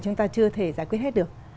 chúng ta chưa thể giải quyết hết được